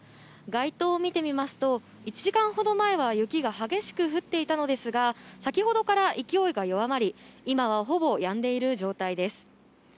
街灯を見てみますと、１時間ほど前は雪が激しく降っていたのですが、先ほどから勢いが弱まり、今はほぼやんでいる状態です。